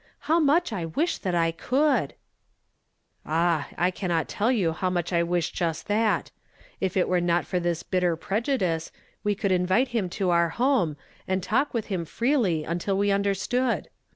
How nuu'h I wish that I could !"" Ah ! I cannot tell you how much I wish just that I If it were not for this bitter prejudice, we coulil invite him to our home, aud talk with him freely until we undei stood.